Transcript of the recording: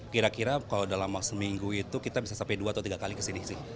kira kira kalau dalam seminggu itu kita bisa sampai dua atau tiga kali kesini sih